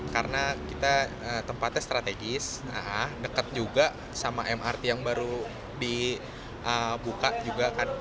karena tempatnya strategis dekat juga sama mrt yang baru dibuka juga kan